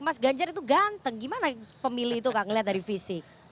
mas ganjar itu ganteng gimana pemilih itu kak ngelihat dari fisik